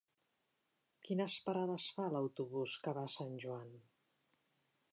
Quines parades fa l'autobús que va a Sant Joan?